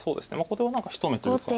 これは何か一目というか。